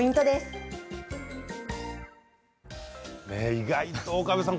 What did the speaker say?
意外と岡部さん